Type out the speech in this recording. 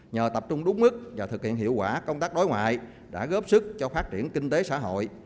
nhờ tập trung đúng mức và thực hiện hiệu quả công tác đối ngoại đã góp sức cho phát triển kinh tế xã hội